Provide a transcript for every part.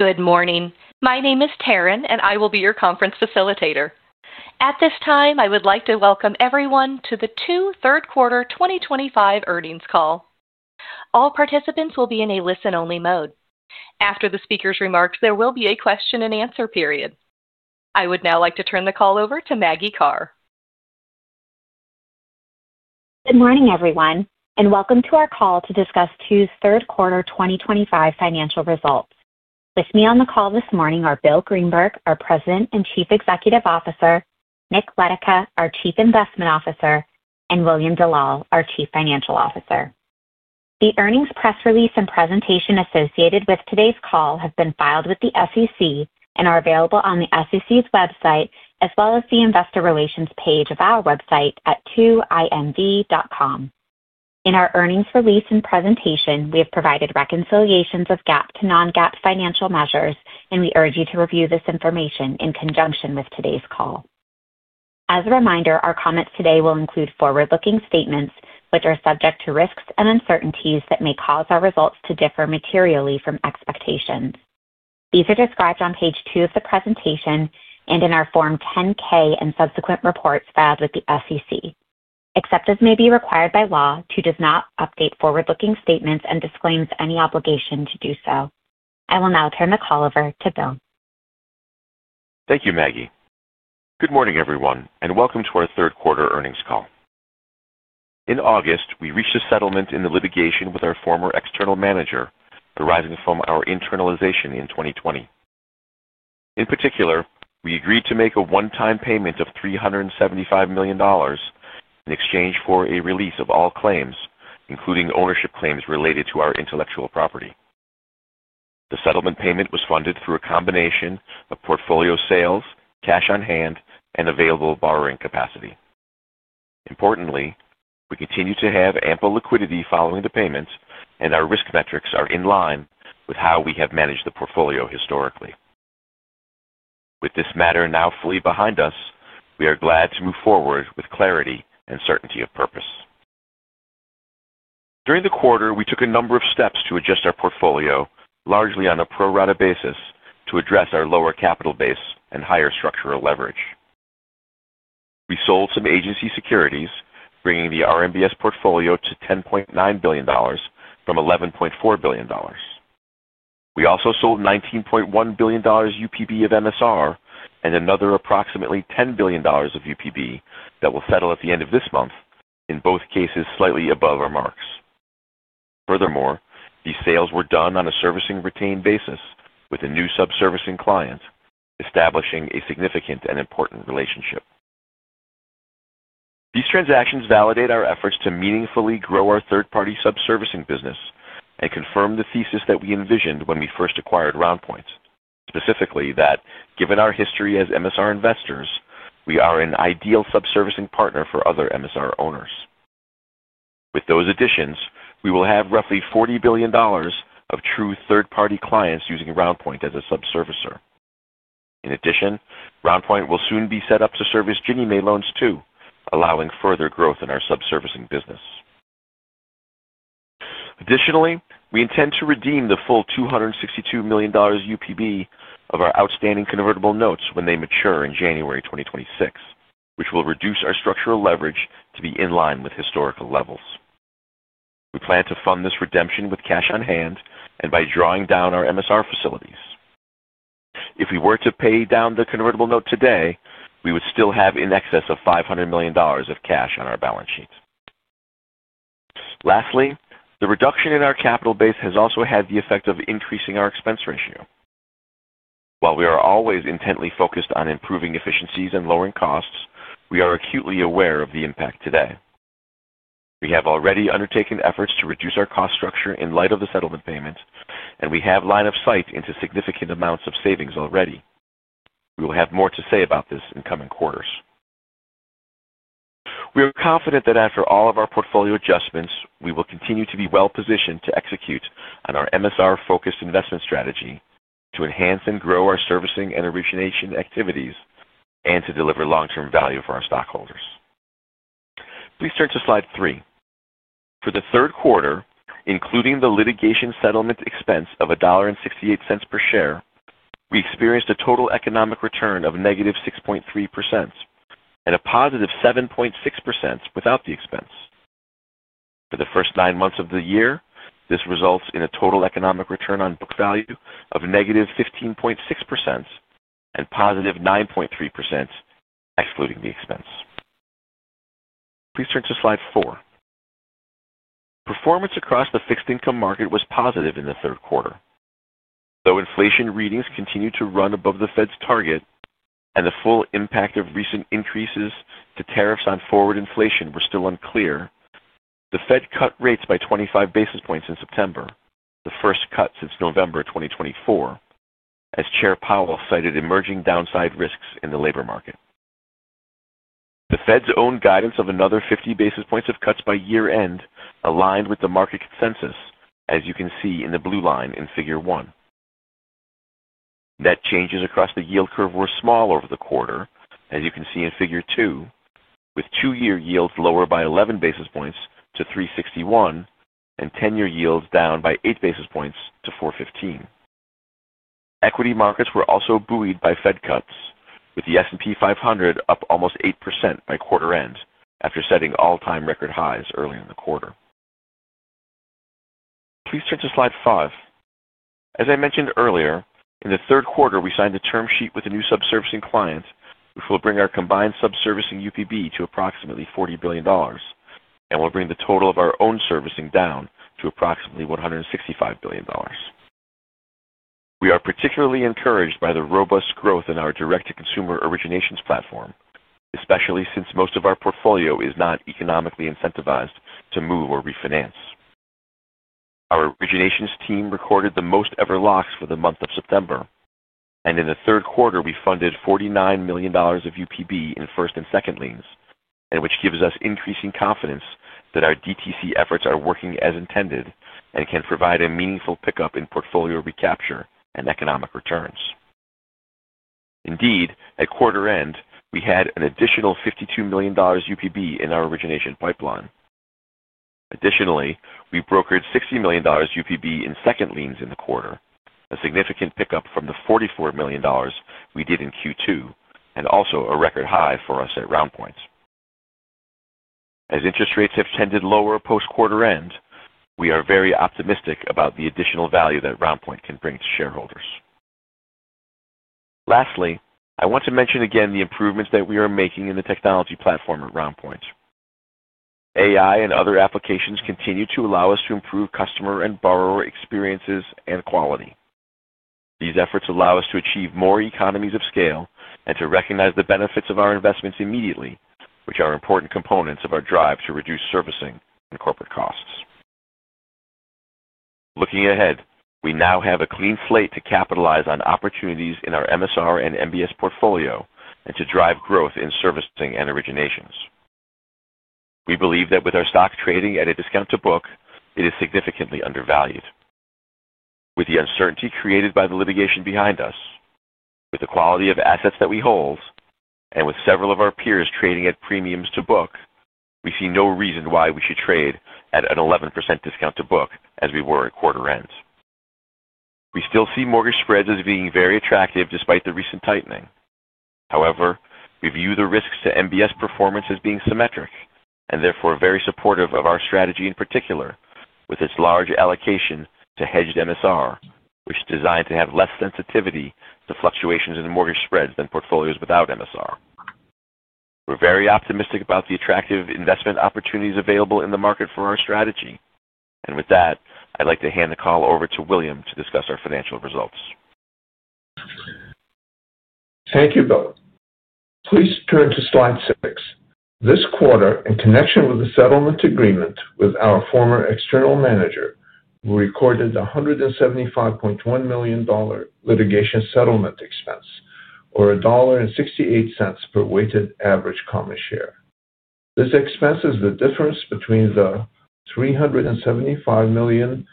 Good morning. My name is Taryn, and I will be your conference facilitator. At this time, I would like to welcome everyone to the Two third quarter 2025 earnings call. All participants will be in a listen-only mode. After the speakers' remarks, there will be a question and answer period. I would now like to turn the call over to Margaret Karr. Good morning, everyone, and welcome to our call to discuss Two's third quarter 2025 financial results. With me on the call this morning are Bill Greenberg, our President and Chief Executive Officer, Nick Letica, our Chief Investment Officer, and William Dellal, our Chief Financial Officer. The earnings press release and presentation associated with today's call have been filed with the SEC and are available on the SEC's website, as well as the investor relations page of our website at twoharborsinvestment.com. In our earnings release and presentation, we have provided reconciliations of GAAP to non-GAAP financial measures, and we urge you to review this information in conjunction with today's call. As a reminder, our comments today will include forward-looking statements, which are subject to risks and uncertainties that may cause our results to differ materially from expectations. These are described on page two of the presentation and in our Form 10-K and subsequent reports filed with the SEC. Except as may be required by law, Two does not update forward-looking statements and disclaims any obligation to do so. I will now turn the call over to Bill. Thank you, Maggie. Good morning, everyone, and welcome to our third quarter earnings call. In August, we reached a settlement in the litigation with our former external manager, arising from our internalization in 2020. In particular, we agreed to make a one-time payment of $375 million in exchange for a release of all claims, including ownership claims related to our intellectual property. The settlement payment was funded through a combination of portfolio sales, cash on hand, and available borrowing capacity. Importantly, we continue to have ample liquidity following the payments, and our risk metrics are in line with how we have managed the portfolio historically. With this matter now fully behind us, we are glad to move forward with clarity and certainty of purpose. During the quarter, we took a number of steps to adjust our portfolio, largely on a pro-rata basis to address our lower capital base and higher structural leverage. We sold some agency securities, bringing the RMBS portfolio to $10.9 billion from $11.4 billion. We also sold $19.1 billion UPB of MSR and another approximately $10 billion of UPB that will settle at the end of this month, in both cases slightly above our marks. Furthermore, these sales were done on a servicing-retained basis with a new sub-servicing client, establishing a significant and important relationship. These transactions validate our efforts to meaningfully grow our third-party sub-servicing business and confirm the thesis that we envisioned when we first acquired RoundPoint, specifically that given our history as MSR investors, we are an ideal sub-servicing partner for other MSR owners. With those additions, we will have roughly $40 billion of true third-party clients using RoundPoint as a sub-servicer. In addition, RoundPoint will soon be set up to service Ginnie Mae loans too, allowing further growth in our sub-servicing business. Additionally, we intend to redeem the full $262 million UPB of our outstanding convertible notes when they mature in January 2026, which will reduce our structural leverage to be in line with historical levels. We plan to fund this redemption with cash on hand and by drawing down our MSR facilities. If we were to pay down the convertible note today, we would still have in excess of $500 million of cash on our balance sheet. Lastly, the reduction in our capital base has also had the effect of increasing our expense ratio. While we are always intently focused on improving efficiencies and lowering costs, we are acutely aware of the impact today. We have already undertaken efforts to reduce our cost structure in light of the settlement payments, and we have line of sight into significant amounts of savings already. We will have more to say about this in coming quarters. We are confident that after all of our portfolio adjustments, we will continue to be well-positioned to execute on our MSR-focused investment strategy to enhance and grow our servicing and origination activities and to deliver long-term value for our stockholders. Please turn to slide three. For the third quarter, including the litigation settlement expense of $1.68 per share, we experienced a total economic return of -6.3% and a +7.6% without the expense. For the first nine months of the year, this results in a total economic return on book value of -15.6% and +9.3% excluding the expense. Please turn to slide four. Performance across the fixed income market was positive in the third quarter. Though inflation readings continue to run above the Fed's target and the full impact of recent increases to tariffs on forward inflation were still unclear, the Fed cut rates by 25 basis points in September, the first cut since November 2024, as Chair Powell cited emerging downside risks in the labor market. The Fed's own guidance of another 50 basis points of cuts by year-end aligned with the market consensus, as you can see in the blue line in figure one. Net changes across the yield curve were small over the quarter, as you can see in figure two, with two-year yields lower by 11 basis points to 3.61 and 10-year yields down by 8 basis points to 4.15. Equity markets were also buoyed by Fed cuts, with the S&P 500 up almost 8% by quarter-end after setting all-time record highs early in the quarter. Please turn to slide five. As I mentioned earlier, in the third quarter, we signed a term sheet with a new sub-servicing client, which will bring our combined sub-servicing UPB to approximately $40 billion and will bring the total of our own servicing down to approximately $165 billion. We are particularly encouraged by the robust growth in our direct-to-consumer originations platform, especially since most of our portfolio is not economically incentivized to move or refinance. Our originations team recorded the most ever locks for the month of September, and in the third quarter, we funded $49 million of UPB in first and second liens, which gives us increasing confidence that our DTC efforts are working as intended and can provide a meaningful pickup in portfolio recapture and economic returns. Indeed, at quarter-end, we had an additional $52 million UPB in our origination pipeline. Additionally, we brokered $60 million UPB in second liens in the quarter, a significant pickup from the $44 million we did in Q2 and also a record high for us at RoundPoint. As interest rates have trended lower post-quarter end, we are very optimistic about the additional value that RoundPoint can bring to shareholders. Lastly, I want to mention again the improvements that we are making in the technology platform at RoundPoint. AI and other applications continue to allow us to improve customer and borrower experiences and quality. These efforts allow us to achieve more economies of scale and to recognize the benefits of our investments immediately, which are important components of our drive to reduce servicing and corporate costs. Looking ahead, we now have a clean slate to capitalize on opportunities in our MSR and MBS portfolio and to drive growth in servicing and originations. We believe that with our stock trading at a discount to book, it is significantly undervalued. With the uncertainty created by the litigation behind us, with the quality of assets that we hold, and with several of our peers trading at premiums to book, we see no reason why we should trade at an 11% discount to book as we were at quarter ends. We still see mortgage spreads as being very attractive despite the recent tightening. However, we view the risks to MBS performance as being symmetric and therefore very supportive of our strategy in particular with its large allocation to hedged MSR, which is designed to have less sensitivity to fluctuations in mortgage spreads than portfolios without MSR. We are very optimistic about the attractive investment opportunities available in the market for our strategy. With that, I'd like to hand the call over to William to discuss our financial results. Thank you, Bill. Please turn to slide six. This quarter, in connection with the settlement agreement with our former external manager, we recorded the $175.1 million litigation settlement expense, or $1.68 per weighted average common share. This expense is the difference between the $375 million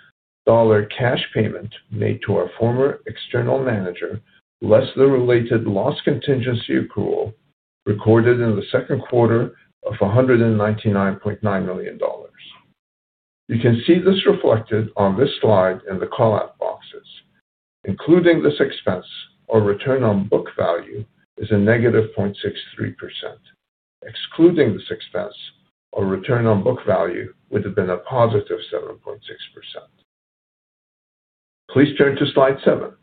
cash payment made to our former external manager, less the related loss contingency accrual recorded in the second quarter of $199.9 million. You can see this reflected on this slide in the call-out boxes. Including this expense, our return on book value is a -0.63%. Excluding this expense, our return on book value would have been a +7.6%. Please turn to slide seven.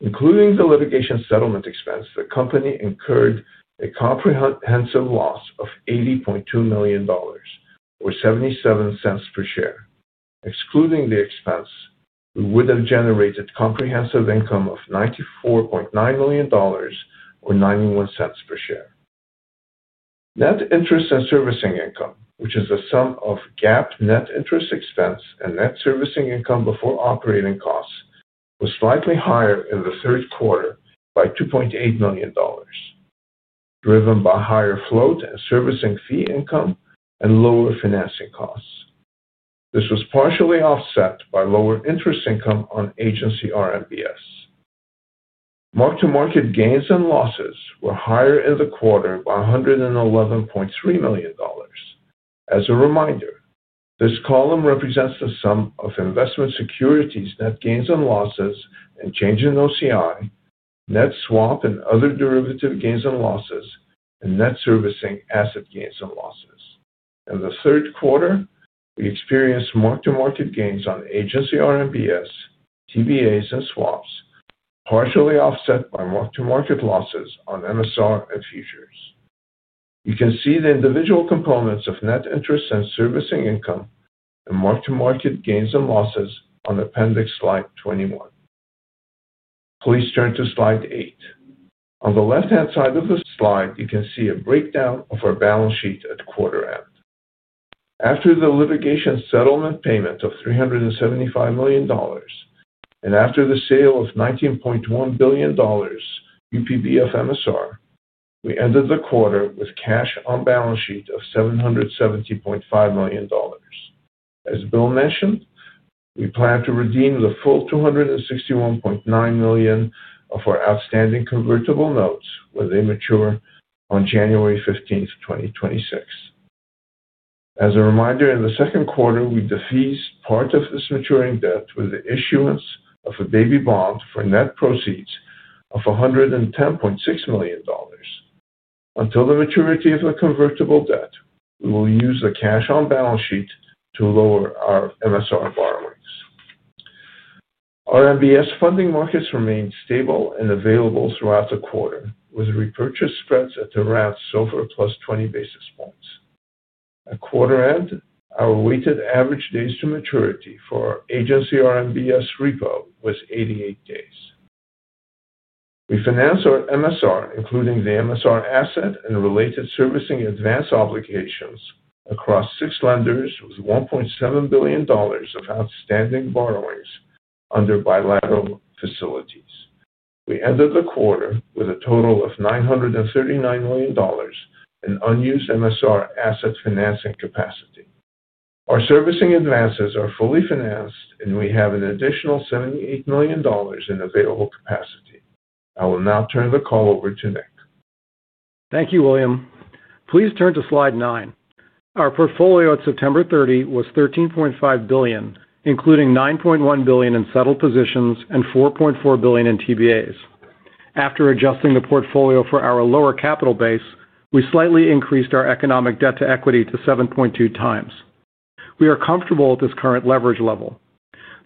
Including the litigation settlement expense, the company incurred a comprehensive loss of $80.2 million, or $0.77 per share. Excluding the expense, we would have generated comprehensive income of $94.9 million, or $0.91 per share. Net interest and servicing income, which is the sum of GAAP net interest expense and net servicing income before operating costs, was slightly higher in the third quarter by $2.8 million, driven by higher float and servicing fee income and lower financing costs. This was partially offset by lower interest income on agency RMBS. Marked to market gains and losses were higher in the quarter by $111.3 million. As a reminder, this column represents the sum of investment securities net gains and losses and change in OCI, net swap and other derivative gains and losses, and net servicing asset gains and losses. In the third quarter, we experienced marked to market gains on agency RMBS, TVAs, and swaps, partially offset by marked to market losses on MSR and futures. You can see the individual components of net interest and servicing income and marked to market gains and losses on appendix slide 21. Please turn to slide eight. On the left-hand side of the slide, you can see a breakdown of our balance sheet at quarter end. After the litigation settlement payment of $375 million and after the sale of $19.1 billion UPB of MSR, we ended the quarter with cash on balance sheet of $770.5 million. As Bill mentioned, we plan to redeem the full $261.9 million of our outstanding convertible notes when they mature on January 15th, 2026. As a reminder, in the second quarter, we defeased part of this maturing debt with the issuance of a baby bond for net proceeds of $110.6 million. Until the maturity of the convertible notes, we will use the cash on balance sheet to lower our MSR borrowings. RMBS funding markets remained stable and available throughout the quarter, with repurchase spreads at the rate so far plus 20 bps. At quarter end, our weighted average days to maturity for our agency RMBS repo was 88 days. We financed our MSR, including the MSR asset and related servicing advance obligations, across six lenders with $1.7 billion of outstanding borrowings under bilateral facilities. We ended the quarter with a total of $939 million in unused MSR asset financing capacity. Our servicing advances are fully financed, and we have an additional $78 million in available capacity. I will now turn the call over to Nick. Thank you, William. Please turn to slide nine. Our portfolio at September 30 was $13.5 billion, including $9.1 billion in settled positions and $4.4 billion in TVAs. After adjusting the portfolio for our lower capital base, we slightly increased our economic debt to equity to 7.2x. We are comfortable with this current leverage level.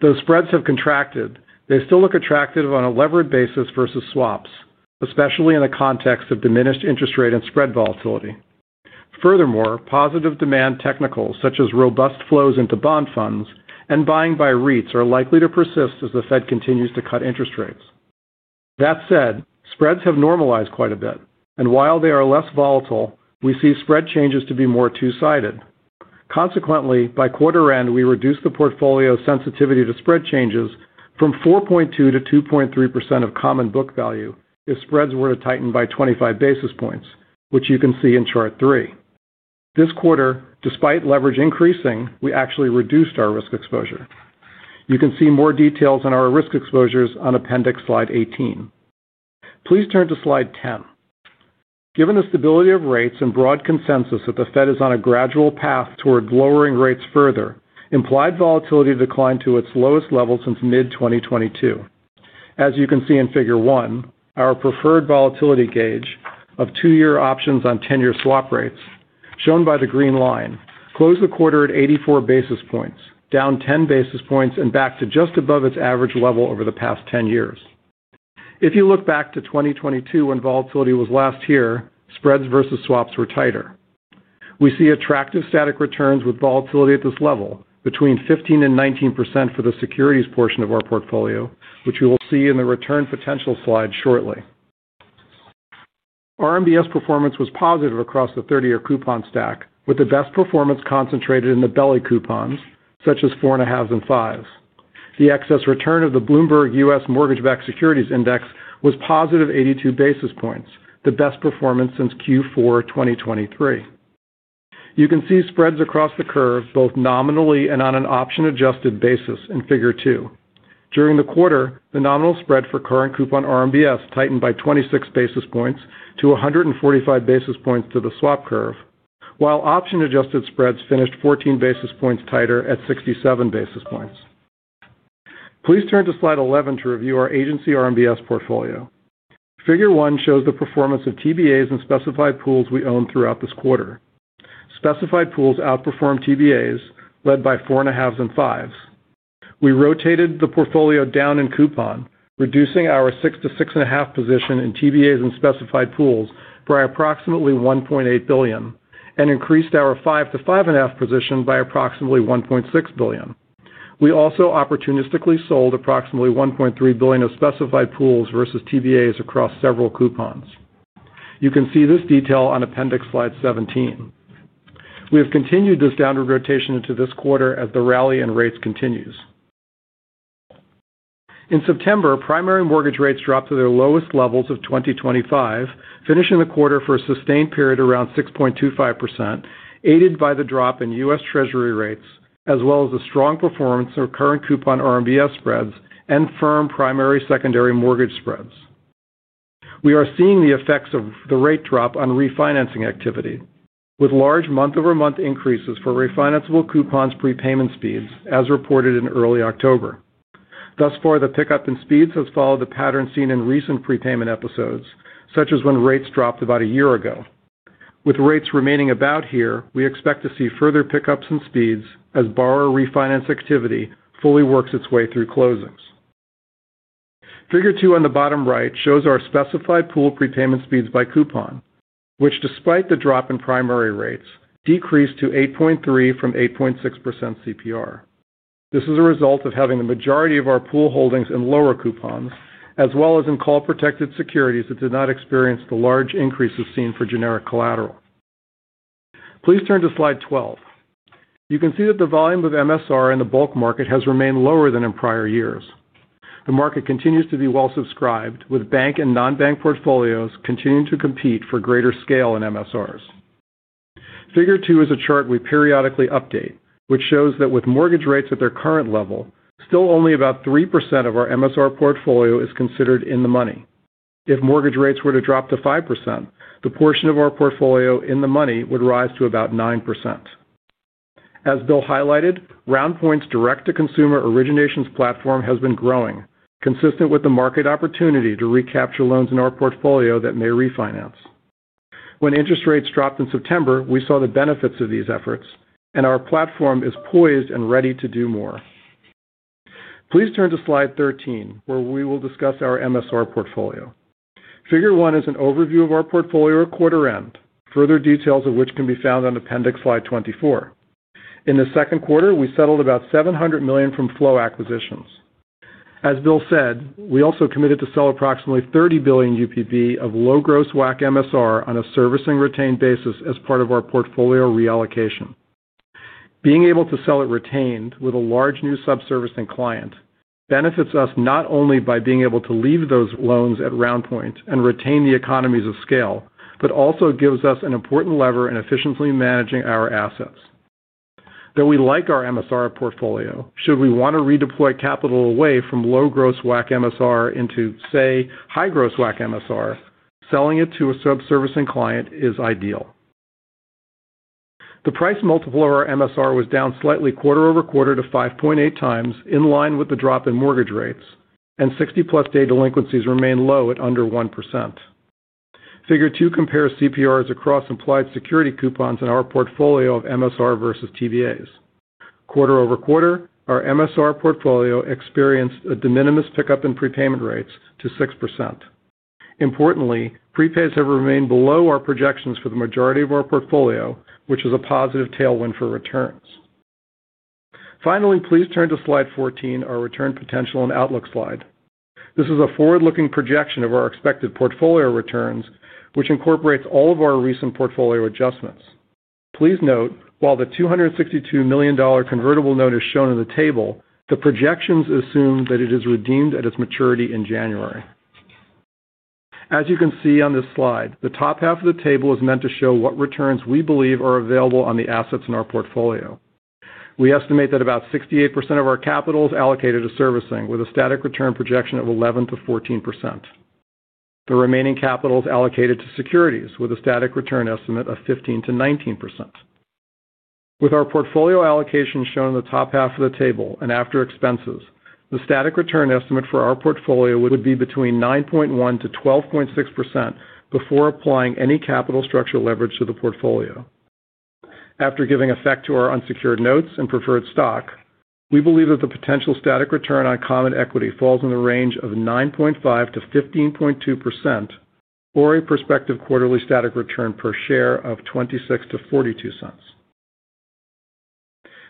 Though spreads have contracted, they still look attractive on a levered basis versus swaps, especially in the context of diminished interest rate and spread volatility. Furthermore, positive demand technical, such as robust flows into bond funds and buying by REITs, are likely to persist as the Fed continues to cut interest rates. That said, spreads have normalized quite a bit, and while they are less volatile, we see spread changes to be more two-sided. Consequently, by quarter end, we reduced the portfolio's sensitivity to spread changes from 4.2%-2.3% of common book value if spreads were to tighten by 25 basis points, which you can see in chart three. This quarter, despite leverage increasing, we actually reduced our risk exposure. You can see more details on our risk exposures on appendix slide 18. Please turn to slide 10. Given the stability of rates and broad consensus that the Fed is on a gradual path toward lowering rates further, implied volatility declined to its lowest level since mid-2022. As you can see in figure one, our preferred volatility gauge of two-year options on 10-year swap rates, shown by the green line, closed the quarter at 84 basis points, down 10 basis points, and back to just above its average level over the past 10 years. If you look back to 2022 when volatility was last here, spreads versus swaps were tighter. We see attractive static returns with volatility at this level between 15% and 19% for the securities portion of our portfolio, which we will see in the return potential slide shortly. RMBS performance was positive across the 30-year coupon stack, with the best performance concentrated in the belly coupons, such as four and a halves and fives. The excess return of the Bloomberg U.S. mortgage-backed securities index was positive 82 basis points, the best performance since Q4 2023. You can see spreads across the curve both nominally and on an option-adjusted basis in figure two. During the quarter, the nominal spread for current coupon RMBS tightened by 26 basis points to 145 basis points to the swap curve, while option-adjusted spreads finished 14 basis points tighter at 67 basis points. Please turn to slide 11 to review our agency RMBS portfolio. Figure one shows the performance of TVAs and specified pools we owned throughout this quarter. Specified pools outperformed TVAs, led by four and a halves and fives. We rotated the portfolio down in coupon, reducing our six to six and a half position in TVAs and specified pools by approximately $1.8 billion and increased our five to five and a half position by approximately $1.6 billion. We also opportunistically sold approximately $1.3 billion of specified pools versus TVAs across several coupons. You can see this detail on appendix slide 17. We have continued this downward rotation into this quarter as the rally in rates continues. In September, primary mortgage rates dropped to their lowest levels of 2025, finishing the quarter for a sustained period around 6.25%, aided by the drop in U.S. Treasury rates, as well as a strong performance of current coupon RMBS spreads and firm primary secondary mortgage spreads. We are seeing the effects of the rate drop on refinancing activity, with large month-over-month increases for refinanceable coupons prepayment speeds, as reported in early October. Thus far, the pickup in speeds has followed the pattern seen in recent prepayment episodes, such as when rates dropped about a year ago. With rates remaining about here, we expect to see further pickups in speeds as borrower refinance activity fully works its way through closings. Figure two on the bottom right shows our specified pool prepayment speeds by coupon, which, despite the drop in primary rates, decreased to 8.3% from 8.6% CPR. This is a result of having the majority of our pool holdings in lower coupons, as well as in call-protected securities that did not experience the large increases seen for generic collateral. Please turn to slide 12. You can see that the volume of MSR in the bulk market has remained lower than in prior years. The market continues to be well-subscribed, with bank and non-bank portfolios continuing to compete for greater scale in MSRs. Figure two is a chart we periodically update, which shows that with mortgage rates at their current level, still only about 3% of our MSR portfolio is considered in the money. If mortgage rates were to drop to 5%, the portion of our portfolio in the money would rise to about 9%. As Bill highlighted, RoundPoint's direct-to-consumer originations platform has been growing, consistent with the market opportunity to recapture loans in our portfolio that may refinance. When interest rates dropped in September, we saw the benefits of these efforts, and our platform is poised and ready to do more. Please turn to slide 13, where we will discuss our MSR portfolio. Figure one is an overview of our portfolio at quarter end, further details of which can be found on appendix slide 24. In the second quarter, we settled about $700 million from flow acquisitions. As Bill said, we also committed to sell approximately $30 billion UPB of low-gross WAC MSR on a servicing-retained basis as part of our portfolio reallocation. Being able to sell it retained with a large new sub-servicing client benefits us not only by being able to leave those loans at RoundPoint and retain the economies of scale, but also gives us an important lever in efficiently managing our assets. Though we like our MSR portfolio, should we want to redeploy capital away from low-gross WAC MSR into, say, high-gross WAC MSR, selling it to a sub-servicing client is ideal. The price multiple of our MSR was down slightly quarter over quarter to 5.8x, in line with the drop in mortgage rates, and 60-plus-day delinquencies remain low at under 1%. Figure two compares CPRs across implied security coupons in our portfolio of MSR versus TVAs. Quarter over quarter, our MSR portfolio experienced a de minimis pickup in prepayment rates to 6%. Importantly, prepays have remained below our projections for the majority of our portfolio, which is a positive tailwind for returns. Finally, please turn to slide 14, our return potential and outlook slide. This is a forward-looking projection of our expected portfolio returns, which incorporates all of our recent portfolio adjustments. Please note, while the $262 million convertible note is shown in the table, the projections assume that it is redeemed at its maturity in January. As you can see on this slide, the top half of the table is meant to show what returns we believe are available on the assets in our portfolio. We estimate that about 68% of our capital is allocated to servicing, with a static return projection of 11%-14%. The remaining capital is allocated to securities, with a static return estimate of 15%-19%. With our portfolio allocation shown in the top half of the table and after expenses, the static return estimate for our portfolio would be between 9.1%-12.6% before applying any capital structure leverage to the portfolio. After giving effect to our unsecured notes and preferred stock, we believe that the potential static return on common equity falls in the range of 9.5%-15.2%, or a prospective quarterly static return per share of $0.26-$0.42.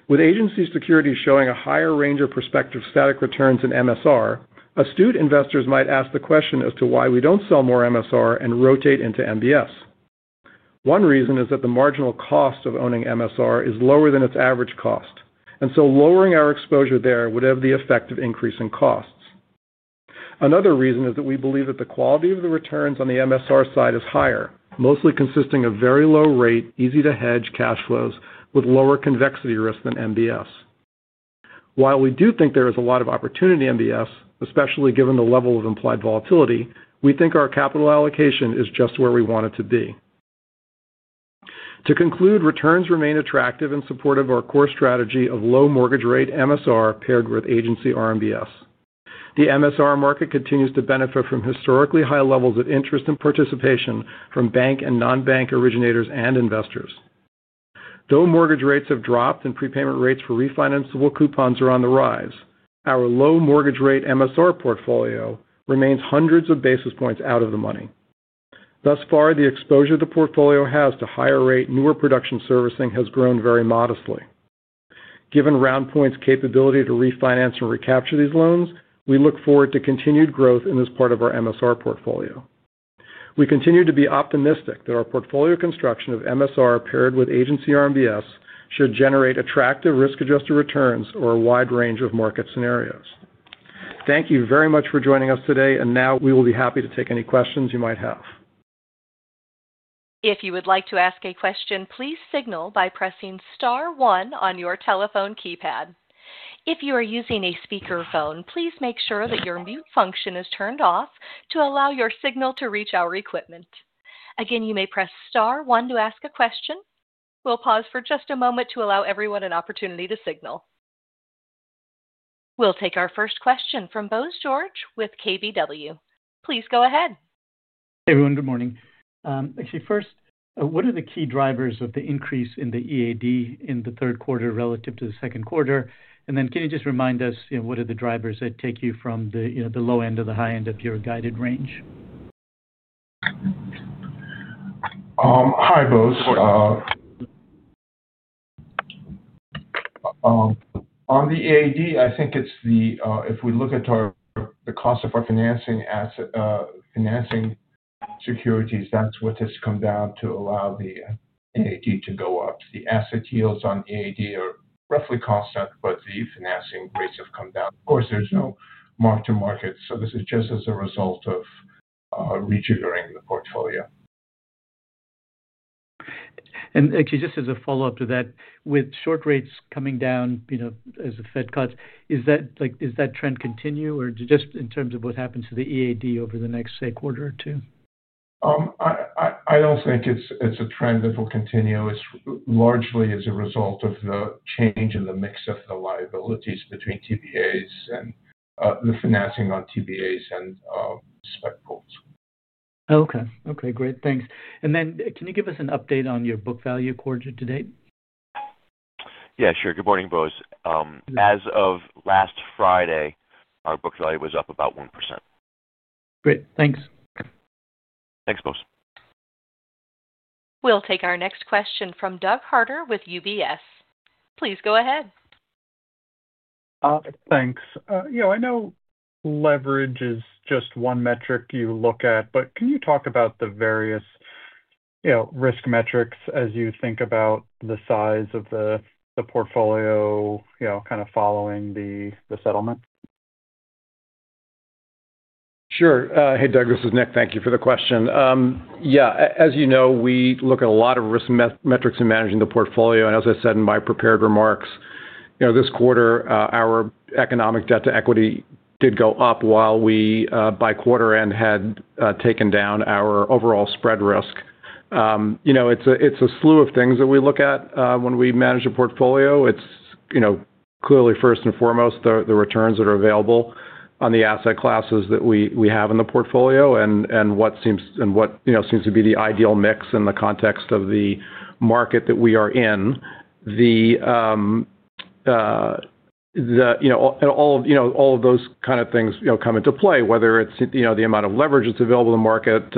With agency securities showing a higher range of prospective static returns than MSR, astute investors might ask the question as to why we don't sell more MSR and rotate into MBS. One reason is that the marginal cost of owning MSR is lower than its average cost, and so lowering our exposure there would have the effect of increasing costs. Another reason is that we believe that the quality of the returns on the MSR side is higher, mostly consisting of very low-rate, easy-to-hedge cash flows with lower convexity risk than MBS. While we do think there is a lot of opportunity in MBS, especially given the level of implied volatility, we think our capital allocation is just where we want it to be. To conclude, returns remain attractive and supportive of our core strategy of low mortgage rate MSR paired with agency RMBS. The MSR market continues to benefit from historically high levels of interest and participation from bank and non-bank originators and investors. Though mortgage rates have dropped and prepayment rates for refinanceable coupons are on the rise, our low mortgage rate MSR portfolio remains hundreds of basis points out of the money. Thus far, the exposure the portfolio has to higher-rate, newer production servicing has grown very modestly. Given RoundPoint's capability to refinance and recapture these loans, we look forward to continued growth in this part of our MSR portfolio. We continue to be optimistic that our portfolio construction of MSR paired with agency RMBS should generate attractive risk-adjusted returns for a wide range of market scenarios. Thank you very much for joining us today, and now we will be happy to take any questions you might have. If you would like to ask a question, please signal by pressing star one on your telephone keypad. If you are using a speaker phone, please make sure that your mute function is turned off to allow your signal to reach our equipment. Again, you may press star one to ask a question. We'll pause for just a moment to allow everyone an opportunity to signal. We'll take our first question from Bose George with KBW. Please go ahead. Hey, everyone. Good morning. What are the key drivers of the increase in the EAD in the third quarter relative to the second quarter? Can you just remind us what are the drivers that take you from the low end to the high end of your guided range? Hi, Boze. On the EAD, I think it's the, if we look at the cost of our financing asset, financing securities, that's what has come down to allow the EAD to go up. The asset yields on EAD are roughly constant, but the financing rates have come down. Of course, there's no mark to market, so this is just as a result of rejiggering the portfolio. Just as a follow-up to that, with short rates coming down, you know, as the Fed cuts, does that trend continue or just in terms of what happens to the EAD over the next, say, quarter or two? I don't think it's a trend that will continue. It's largely as a result of the change in the mix of the liabilities between TBAs and the financing on TBAs and spec pools. Okay. Great. Thanks. Can you give us an update on your book value quarter to date? Yeah, sure. Good morning, Bose. As of last Friday, our book value was up about 1%. Great. Thanks. Thanks, Boze. We'll take our next question from Doug Harter with UBS. Please go ahead. Thanks. I know leverage is just one metric you look at, but can you talk about the various risk metrics as you think about the size of the portfolio, kind of following the settlement? Sure. Hey, Doug. This is Nick. Thank you for the question. As you know, we look at a lot of risk metrics in managing the portfolio, and as I said in my prepared remarks, this quarter, our economic debt to equity did go up while we, by quarter end, had taken down our overall spread risk. It's a slew of things that we look at when we manage a portfolio. It's clearly first and foremost, the returns that are available on the asset classes that we have in the portfolio and what seems to be the ideal mix in the context of the market that we are in. All of those kind of things come into play, whether it's the amount of leverage that's available in the market,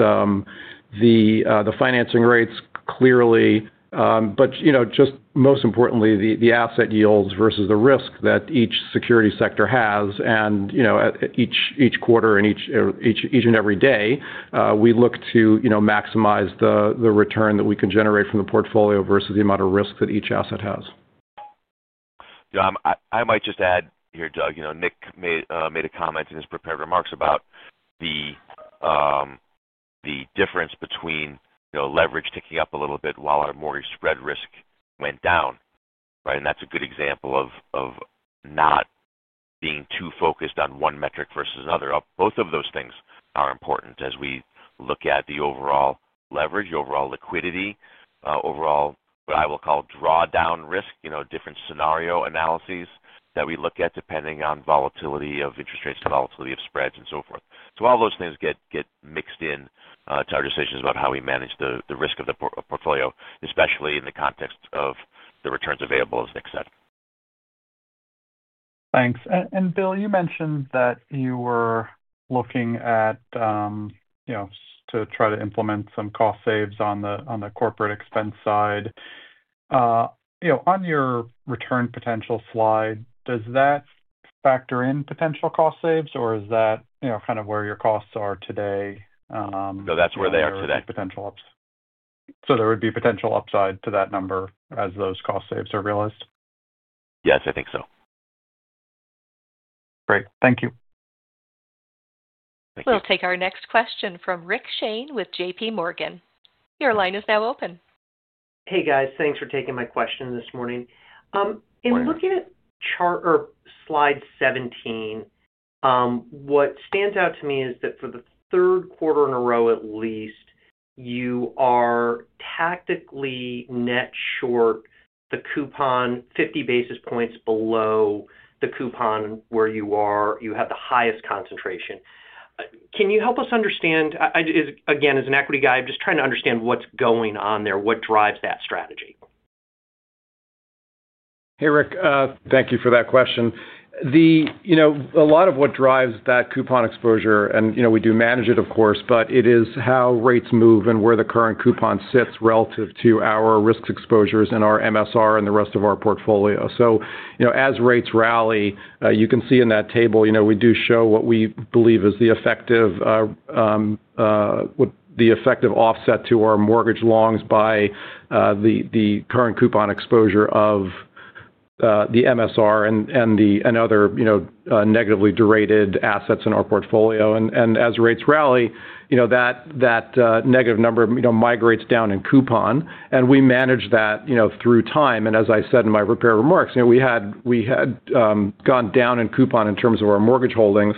the financing rates clearly, but just most importantly, the asset yields versus the risk that each security sector has. Each quarter and each and every day, we look to maximize the return that we can generate from the portfolio versus the amount of risk that each asset has. Yeah, I might just add here, Doug, you know, Nick made a comment in his prepared remarks about the difference between, you know, leverage ticking up a little bit while our mortgage spread risk went down. Right? That's a good example of not being too focused on one metric versus another. Both of those things are important as we look at the overall leverage, the overall liquidity, overall what I will call drawdown risk, different scenario analyses that we look at depending on volatility of interest rates and volatility of spreads and so forth. All of those things get mixed into our decisions about how we manage the risk of the portfolio, especially in the context of the returns available as Nick said. Thanks. Bill, you mentioned that you were looking at, you know, to try to implement some cost saves on the corporate expense side. On your return potential slide, does that factor in potential cost saves, or is that, you know, kind of where your costs are today? No, that's where they are today. There would be potential upside to that number as those cost saves are realized? Yes, I think so. Great. Thank you. We'll take our next question from Rich Shane with JPMorgan. Your line is now open. Hey, guys. Thanks for taking my question this morning. Sure. In looking at chart or slide 17, what stands out to me is that for the third quarter in a row at least, you are tactically net short the coupon 50 basis points below the coupon where you are. You have the highest concentration. Can you help us understand, again, as an equity guy, I'm just trying to understand what's going on there, what drives that strategy? Hey, Rick. Thank you for that question. A lot of what drives that coupon exposure, and we do manage it, of course, but it is how rates move and where the current coupon sits relative to our risk exposures and our MSR and the rest of our portfolio. As rates rally, you can see in that table, we do show what we believe is the effective offset to our mortgage loans by the current coupon exposure of the MSR and other negatively derated assets in our portfolio. As rates rally, that negative number migrates down in coupon, and we manage that through time. As I said in my prepared remarks, we had gone down in coupon in terms of our mortgage holdings,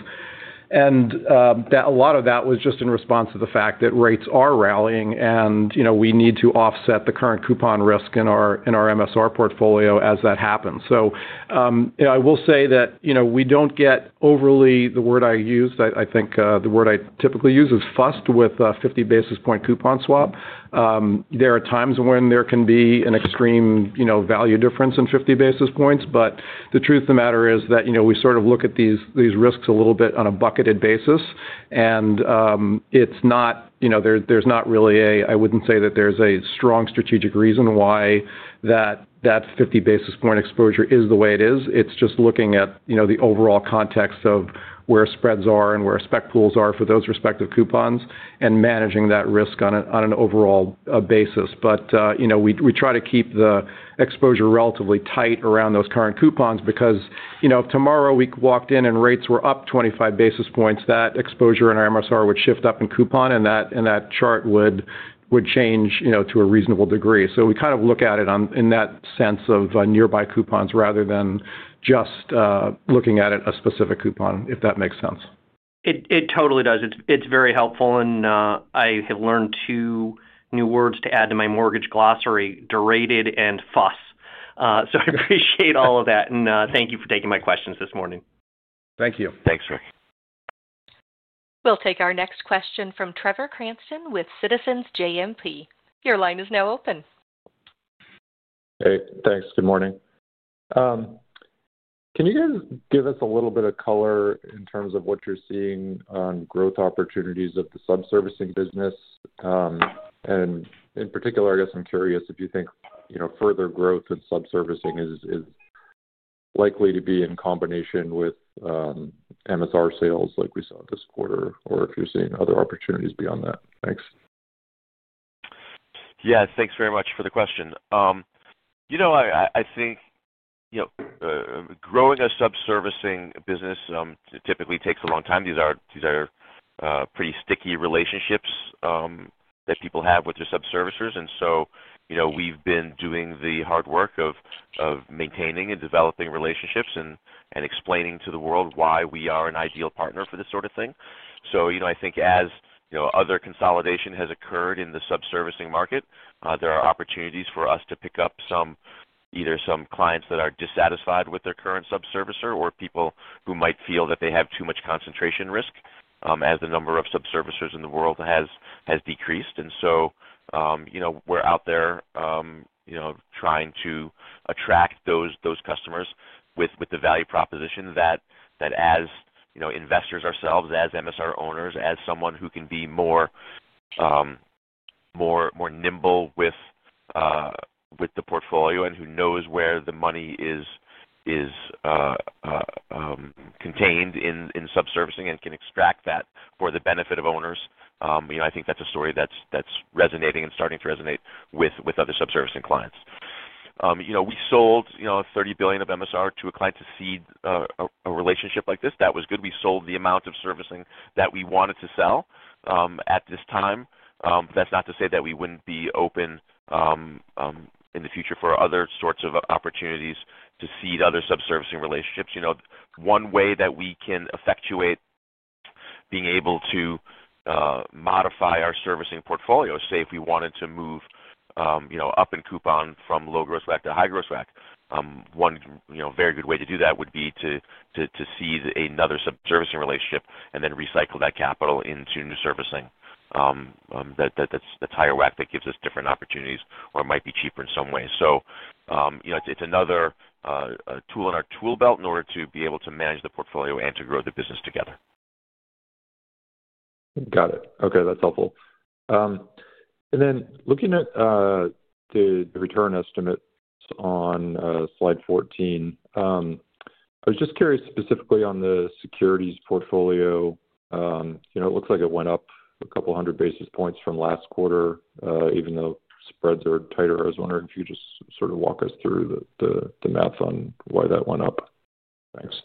and a lot of that was just in response to the fact that rates are rallying and we need to offset the current coupon risk in our MSR portfolio as that happens. I will say that we don't get overly, the word I used, I think the word I typically use is fussed with a 50 basis point coupon swap. There are times when there can be an extreme value difference in 50 basis points, but the truth of the matter is that we sort of look at these risks a little bit on a bucketed basis, and it's not, there's not really a, I wouldn't say that there's a strong strategic reason why that 50 basis point exposure is the way it is. It's just looking at the overall context of where spreads are and where spec pools are for those respective coupons and managing that risk on an overall basis. We try to keep the exposure relatively tight around those current coupons because if tomorrow we walked in and rates were up 25 basis points, that exposure and our MSR would shift up in coupon, and that chart would change to a reasonable degree. We kind of look at it in that sense of nearby coupons rather than just looking at a specific coupon, if that makes sense. It totally does. It's very helpful, and I have learned two new words to add to my mortgage glossary, derated and fuss. I appreciate all of that, and thank you for taking my questions this morning. Thank you. Thanks, Rick. We'll take our next question from Trevor Cranston with Citizens JMP. Your line is now open. Hey, thanks. Good morning. Can you guys give us a little bit of color in terms of what you're seeing on growth opportunities of the sub-servicing business? In particular, I guess I'm curious if you think further growth in sub-servicing is likely to be in combination with MSR sales like we saw this quarter, or if you're seeing other opportunities beyond that. Thanks. Yes, thanks very much for the question. I think growing a sub-servicing business typically takes a long time. These are pretty sticky relationships that people have with their sub-servicers. We've been doing the hard work of maintaining and developing relationships and explaining to the world why we are an ideal partner for this sort of thing. I think as other consolidation has occurred in the sub-servicing market, there are opportunities for us to pick up either some clients that are dissatisfied with their current sub-servicer or people who might feel that they have too much concentration risk as the number of sub-servicers in the world has decreased. We're out there trying to attract those customers with the value proposition that, as investors ourselves, as MSR owners, as someone who can be more nimble with the portfolio and who knows where the money is contained in sub-servicing and can extract that for the benefit of owners. I think that's a story that's resonating and starting to resonate with other sub-servicing clients. We sold $30 billion of MSR to a client to seed a relationship like this. That was good. We sold the amount of servicing that we wanted to sell at this time. That's not to say that we wouldn't be open in the future for other sorts of opportunities to seed other sub-servicing relationships. One way that we can effectuate being able to modify our servicing portfolio, say if we wanted to move up in coupon from low-gross WAC to high-gross WAC, one very good way to do that would be to seed another sub-servicing relationship and then recycle that capital into new servicing that's higher WAC that gives us different opportunities or might be cheaper in some ways. It's another tool in our tool belt in order to be able to manage the portfolio and to grow the business together. Got it. Okay, that's helpful. Looking at the return estimate on slide 14, I was just curious specifically on the securities portfolio. It looks like it went up a couple hundred basis points from last quarter, even though spreads are tighter. I was wondering if you could just sort of walk us through the math on why that went up. Thanks.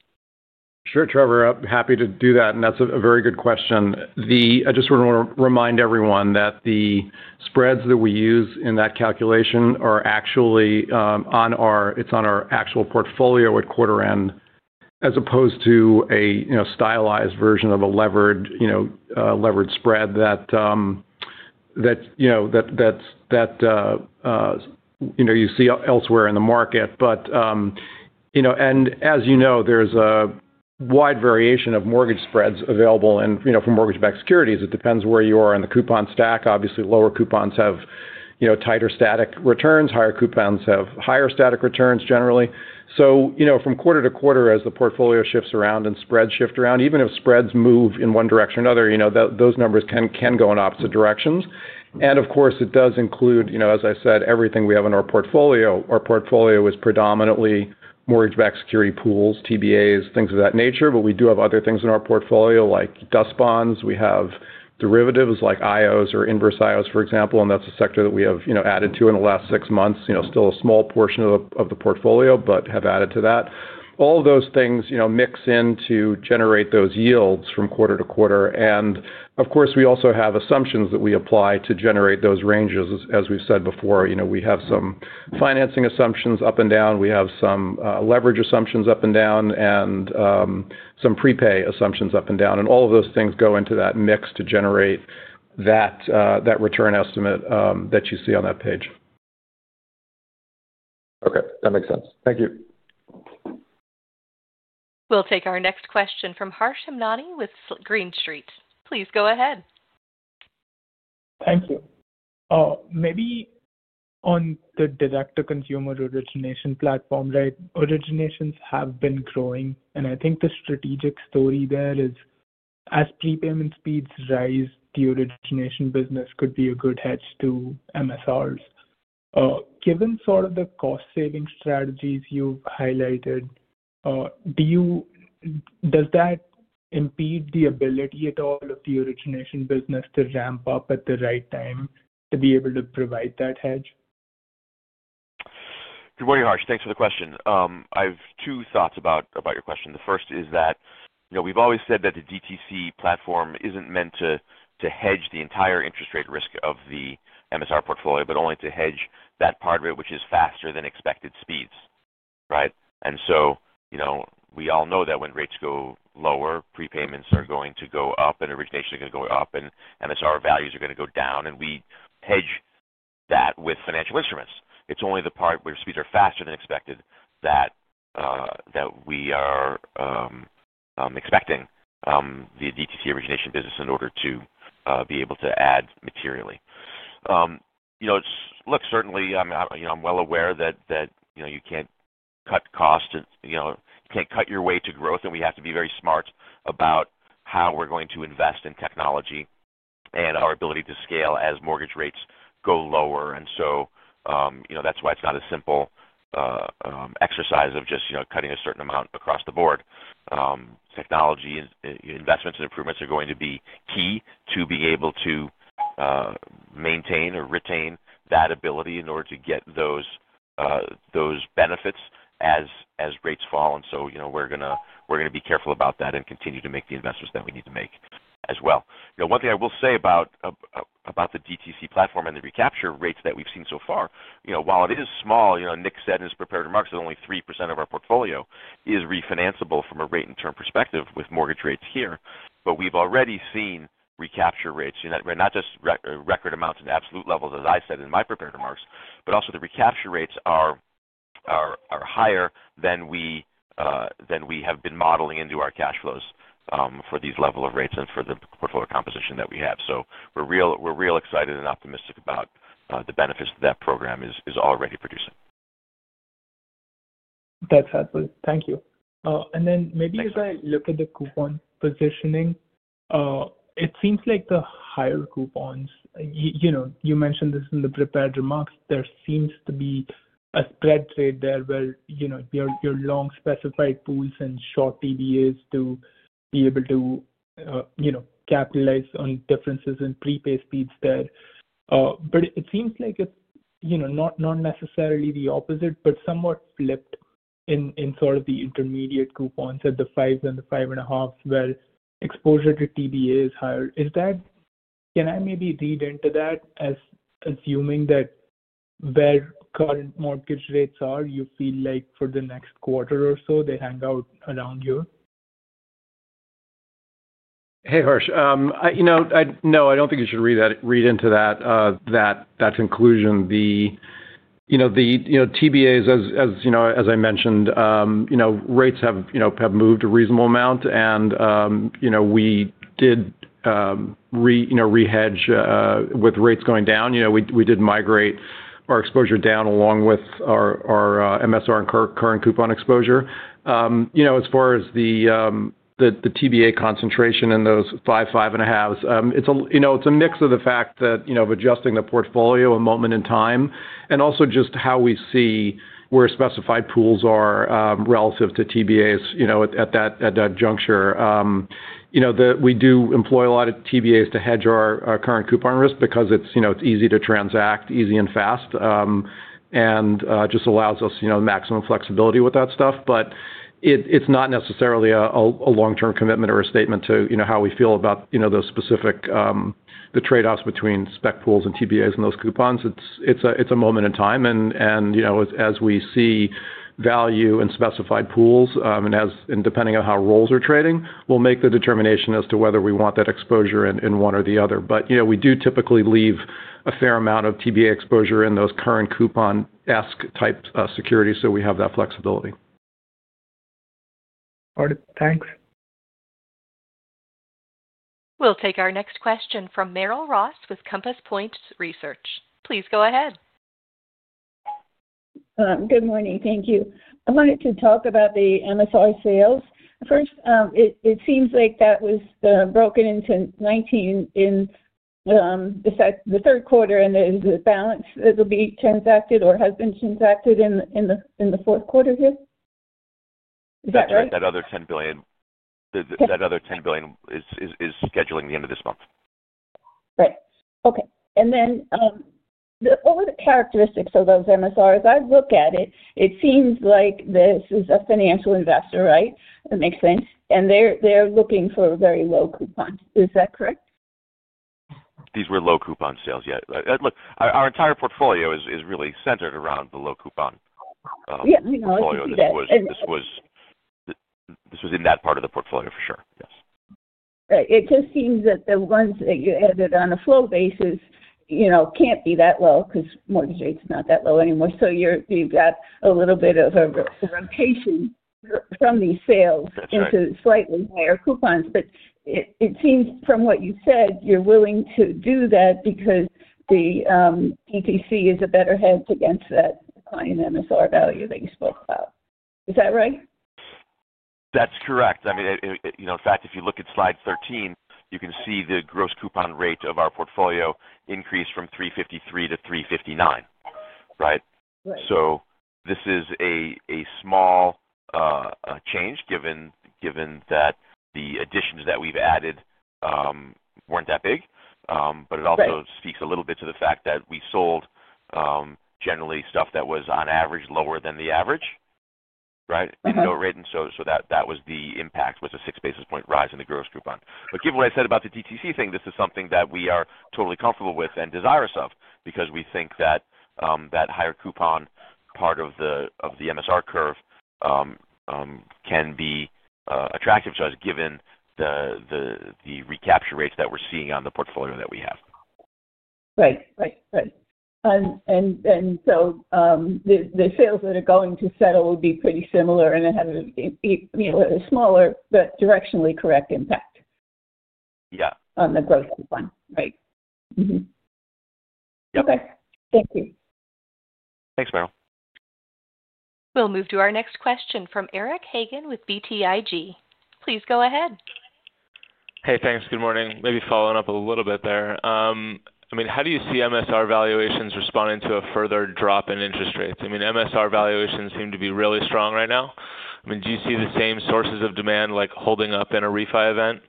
Sure, Trevor. I'm happy to do that, and that's a very good question. I just want to remind everyone that the spreads that we use in that calculation are actually on our actual portfolio at quarter end, as opposed to a stylized version of a levered spread that you see elsewhere in the market. As you know, there's a wide variation of mortgage spreads available, and for mortgage-backed securities, it depends where you are in the coupon stack. Obviously, lower coupons have tighter static returns. Higher coupons have higher static returns generally. From quarter to quarter, as the portfolio shifts around and spreads shift around, even if spreads move in one direction or another, those numbers can go in opposite directions. It does include, as I said, everything we have in our portfolio. Our portfolio is predominantly mortgage-backed security pools, TVAs, things of that nature, but we do have other things in our portfolio like DUS bonds. We have derivatives like IOs or inverse IOs, for example, and that's a sector that we have added to in the last six months, still a small portion of the portfolio, but have added to that. All of those things mix in to generate those yields from quarter to quarter. We also have assumptions that we apply to generate those ranges, as we've said before. We have some financing assumptions up and down. We have some leverage assumptions up and down and some prepay assumptions up and down. All of those things go into that mix to generate that return estimate that you see on that page. Okay, that makes sense. Thank you. We'll take our next question from Harsh Hemnani with Green Street. Please go ahead. Thank you. Maybe on the direct-to-consumer originations platform, right, originations have been growing, and I think the strategic story there is as prepayment speeds rise, the origination business could be a good hedge to MSRs. Given sort of the cost-saving strategies you've highlighted, does that impede the ability at all of the origination business to ramp up at the right time to be able to provide that hedge? Good morning, Harsh. Thanks for the question. I have two thoughts about your question. The first is that, you know, we've always said that the DTC platform isn't meant to hedge the entire interest rate risk of the MSR portfolio, but only to hedge that part of it which is faster than expected speeds, right? We all know that when rates go lower, prepayments are going to go up and originations are going to go up and MSR values are going to go down, and we hedge that with financial instruments. It's only the part where speeds are faster than expected that we are expecting the DTC origination business in order to be able to add materially. Certainly, I'm well aware that you can't cut costs and you can't cut your way to growth, and we have to be very smart about how we're going to invest in technology and our ability to scale as mortgage rates go lower. That's why it's not a simple exercise of just cutting a certain amount across the board. Technology investments and improvements are going to be key to being able to maintain or retain that ability in order to get those benefits as rates fall. We're going to be careful about that and continue to make the investments that we need to make as well. One thing I will say about the DTC platform and the recapture rates that we've seen so far, while it is small, Nick said in his prepared remarks that only 3% of our portfolio is refinanceable from a rate and term perspective with mortgage rates here, but we've already seen recapture rates, not just record amounts and absolute levels, as I said in my prepared remarks, but also the recapture rates are higher than we have been modeling into our cash flows for these levels of rates and for the portfolio composition that we have. We're real excited and optimistic about the benefits that that program is already producing. That's excellent. Thank you. Maybe as I look at the coupon positioning, it seems like the higher coupons, you mentioned this in the prepared remarks, there seems to be a spread trade there where you're long specified pools and short TVAs to be able to capitalize on differences in prepay speeds there. It seems like it's not necessarily the opposite, but somewhat flipped in sort of the intermediate coupons at the fives and the five and a half where exposure to TVA is higher. Can I maybe read into that as assuming that where current mortgage rates are, you feel like for the next quarter or so they hang out around you? Hey, Harsh. No, I don't think you should read into that conclusion. The TVAs, as I mentioned, rates have moved a reasonable amount, and we did rehedge with rates going down. We did migrate our exposure down along with our MSR and current coupon exposure. As far as the TVA concentration in those 5, 5.5s, it's a mix of the fact of adjusting the portfolio at a moment in time and also just how we see where specified pools are relative to TVAs at that juncture. We do employ a lot of TVAs to hedge our current coupon risk because it's easy to transact, easy and fast, and just allows us maximum flexibility with that stuff. It's not necessarily a long-term commitment or a statement to how we feel about those specific trade-offs between spec pools and TVAs and those coupons. It's a moment in time. As we see value in specified pools and depending on how roles are trading, we'll make the determination as to whether we want that exposure in one or the other. We do typically leave a fair amount of TVA exposure in those current coupon-esque type securities so we have that flexibility. All right. Thanks. We'll take our next question from Merrill Ross with Compass Point Research. Please go ahead. Good morning. Thank you. I wanted to talk about the MSR sales. First, it seems like that was broken into 19 in the third quarter, and the balance that'll be transacted or has been transacted in the fourth quarter here. Is that right? That other $10 billion is scheduling the end of this month. Right. Okay. What were the characteristics of those MSRs? I look at it, it seems like this is a financial investor, right? That makes sense. They're looking for very low coupons. Is that correct? These were low coupon sales. Our entire portfolio is really centered around the low coupon portfolio. This was in that part of the portfolio for sure. Yes. Right. It just seems that the ones that you added on a flow basis can't be that low because mortgage rate's not that low anymore. You've got a little bit of a rotation from these sales into slightly higher coupons. It seems from what you said you're willing to do that because the DTC is a better hedge against that high MSR value that you spoke about. Is that right? That's correct. I mean, in fact, if you look at slide 13, you can see the gross coupon rate of our portfolio increased from 3.53%-3.59%. Right? This is a small change given that the additions that we've added weren't that big. It also speaks a little bit to the fact that we sold generally stuff that was on average lower than the average, right, at no rate. That was the impact, a six basis point rise in the gross coupon. Given what I said about the DTC thing, this is something that we are totally comfortable with and desirous of because we think that that higher coupon part of the MSR curve can be attractive to us given the recapture rates that we're seeing on the portfolio that we have. Right. Right. The sales that are going to settle would be pretty similar and have a smaller but directionally correct impact. Yeah. On the gross coupon. Right. Yeah. Okay, thank you. Thanks, Merrill. We'll move to our next question from Eric Hagen with BTIG. Please go ahead. Hey, thanks. Good morning. Maybe following up a little bit there. How do you see MSR valuations responding to a further drop in interest rates? MSR valuations seem to be really strong right now. Do you see the same sources of demand holding up in a refi event?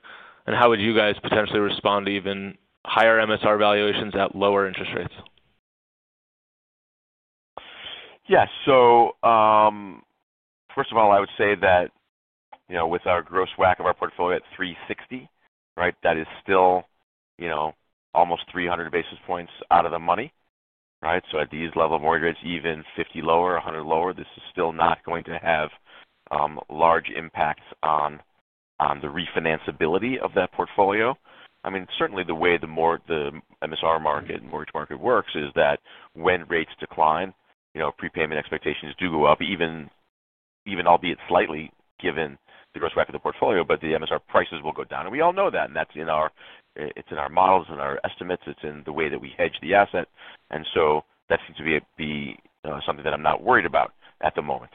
How would you guys potentially respond to even higher MSR valuations at lower interest rates? Yeah. First of all, I would say that, you know, with our gross WAC of our portfolio at 3.60, right, that is still, you know, almost 300 basis points out of the money. Right? At these level mortgages, even 50 lower, 100 lower, this is still not going to have large impacts on the refinanceability of that portfolio. I mean, certainly the way the MSR market and mortgage market works is that when rates decline, you know, prepayment expectations do go up, even, even albeit slightly given the gross WAC of the portfolio, but the MSR prices will go down. We all know that. That's in our models, in our estimates, it's in the way that we hedge the asset. That seems to be something that I'm not worried about at the moment.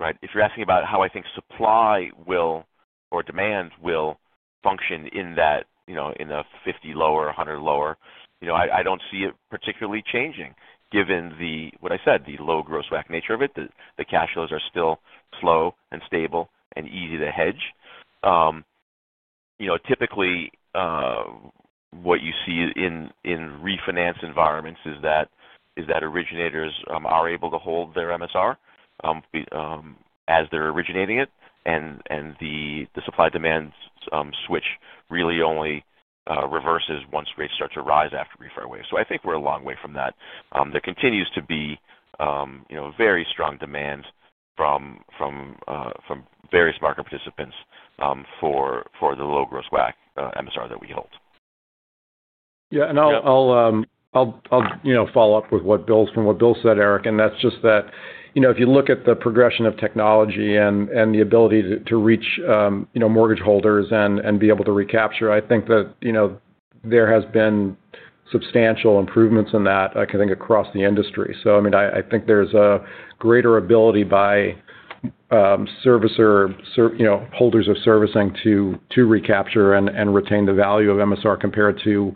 Right? If you're asking about how I think supply will or demand will function in that, you know, in a 50 lower, 100 lower, I don't see it particularly changing given the, what I said, the low gross WAC nature of it. The cash flows are still slow and stable and easy to hedge. Typically, what you see in refinance environments is that originators are able to hold their MSR as they're originating it. The supply-demand switch really only reverses once rates start to rise after refi waves. I think we're a long way from that. There continues to be, you know, very strong demand from various market participants for the low gross WAC MSR that we hold. Yeah, I'll follow up with what Bill said, Eric. If you look at the progression of technology and the ability to reach mortgage holders and be able to recapture, I think that there have been substantial improvements in that across the industry. I think there's a greater ability by servicer holders of servicing to recapture and retain the value of MSR compared to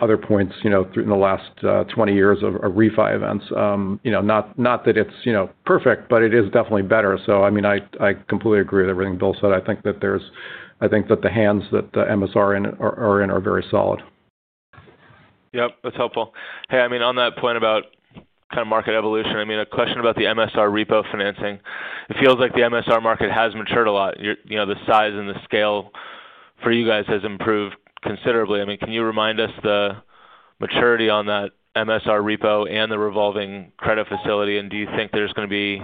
other points in the last 20 years of refi events. Not that it's perfect, but it is definitely better. I completely agree with everything Bill said. I think that the hands that the MSR are in are very solid. Yep. That's helpful. Hey, on that point about kind of market evolution, a question about the MSR repo financing. It feels like the MSR market has matured a lot. The size and the scale for you guys has improved considerably. Can you remind us the maturity on that MSR repo and the revolving credit facility? Do you think there's going to be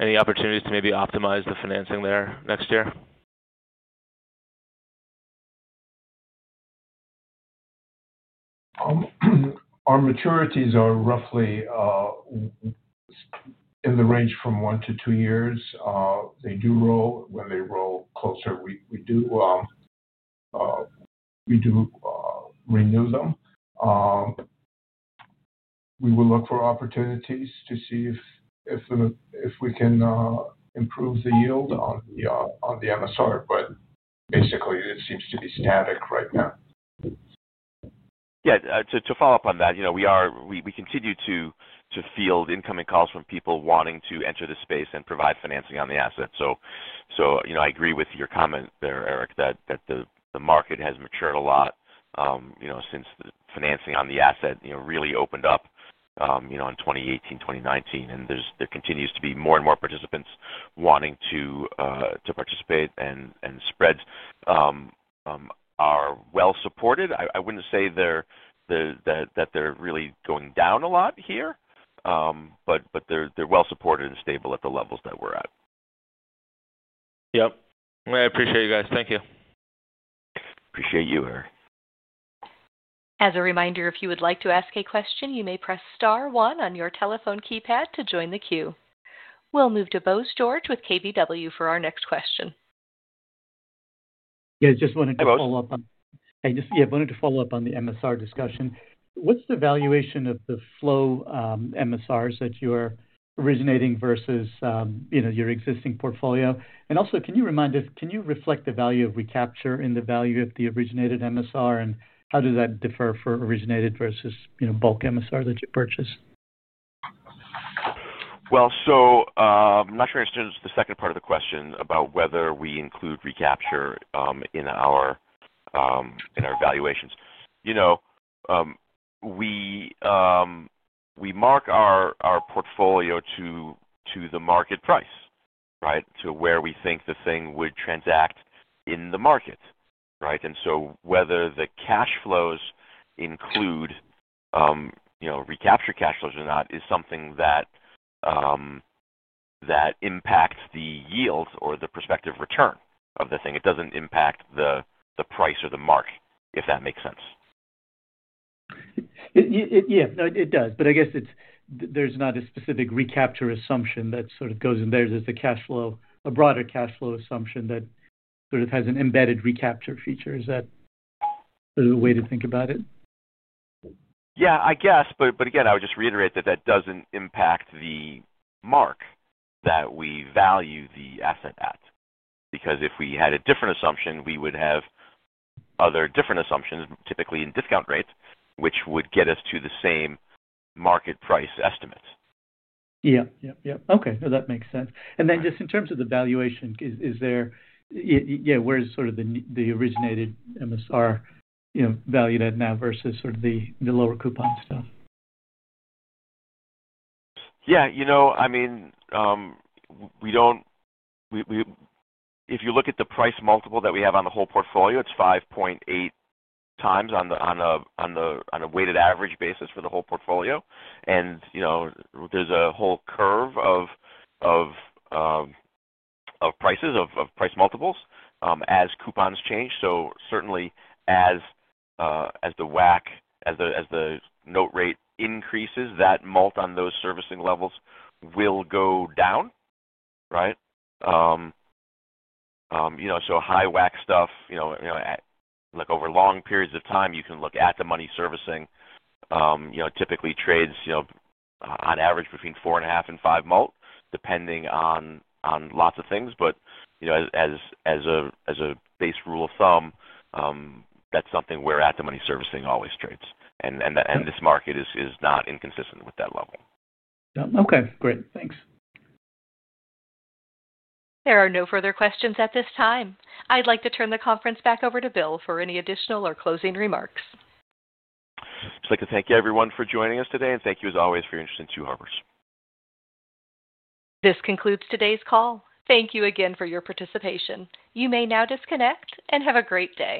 any opportunities to maybe optimize the financing there next year? Our maturities are roughly in the range from one to two years. They do roll. When they roll closer, we do renew them. We will look for opportunities to see if we can improve the yield on the MSR. It seems to be static right now. Yeah. To follow up on that, we continue to field incoming calls from people wanting to enter the space and provide financing on the asset. I agree with your comment there, Eric, that the market has matured a lot since the financing on the asset really opened up in 2018, 2019. There continues to be more and more participants wanting to participate and spread. Are well supported. I wouldn't say that they're really going down a lot here, but they're well supported and stable at the levels that we're at. I appreciate you guys. Thank you. Appreciate you, Eric. As a reminder, if you would like to ask a question, you may press star one on your telephone keypad to join the queue. We'll move to Bose George with KBW for our next question. I just wanted to follow up on. Hey, Boze. I wanted to follow up on the MSR discussion. What's the valuation of the flow MSRs that you're originating versus your existing portfolio? Also, can you remind us, can you reflect the value of recapture in the value of the originated MSR, and how does that differ for originated versus bulk MSR that you purchase? I'm not sure I understood the second part of the question about whether we include recapture in our valuations. You know, we mark our portfolio to the market price, to where we think the thing would transact in the market. Whether the cash flows include recapture cash flows or not is something that impacts the yield or the perspective return of the thing. It doesn't impact the price or the mark, if that makes sense. Yeah, it does. I guess there's not a specific recapture assumption that goes in there. There's a broader cash flow assumption that has an embedded recapture feature. Is that the way to think about it? I would just reiterate that that doesn't impact the mark that we value the asset at, because if we had a different assumption, we would have other different assumptions, typically in discount rates, which would get us to the same market price estimate. Yeah. Okay. No, that makes sense. In terms of the valuation, is there, yeah, where's sort of the originated MSR valued at now versus sort of the lower coupon stuff? Yeah. I mean, we don't, if you look at the price multiple that we have on the whole portfolio, it's 5.8x on a weighted average basis for the whole portfolio. There's a whole curve of prices, of price multiples as coupons change. Certainly, as the WAC, as the note rate increases, that multiple on those servicing levels will go down, right? High WAC stuff, over long periods of time, you can look at the money servicing, typically trades on average between 4.5x and 5x, depending on lots of things. As a base rule of thumb, that's something where at the money servicing always trades, and this market is not inconsistent with that level. Okay, great. Thanks. There are no further questions at this time. I'd like to turn the conference back over to Bill for any additional or closing remarks. I'd just like to thank you, everyone, for joining us today, and thank you, as always, for your interest in Two Harbors. This concludes today's call. Thank you again for your participation. You may now disconnect and have a great day.